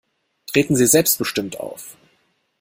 Treten Sie selbstbestimmt auf.